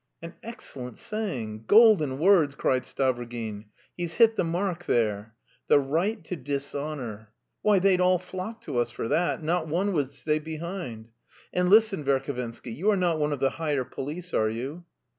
"An excellent saying! Golden words!" cried Stavrogin. "He's hit the mark there! The right to dishonour why, they'd all flock to us for that, not one would stay behind! And listen, Verhovensky, you are not one of the higher police, are you?"